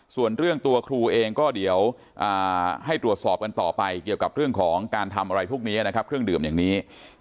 ส่วนเรื่องตัวครูเองก็เดี๋ยวให้ตรวจสอบกันต่อไปเกี่ยวกับเรื่องของการทำอะไรพวกนี้นะครับเครื่องดื่มอย่างนี้